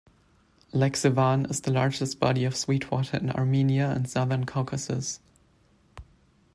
Lake Sevan is the largest body of sweet water in Armenia and Southern Caucasus.